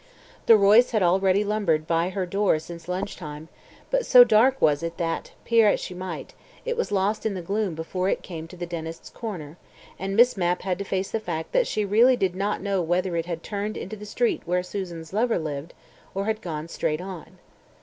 The Royce had already lumbered by her door since lunch time, but so dark was it that, peer as she might, it was lost in the gloom before it came to the dentist's corner, and Miss Mapp had to face the fact that she really did not know whether it had turned into the street where Susan's lover lived or had gone straight on.